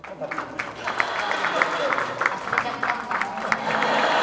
忘れちゃったんだもん。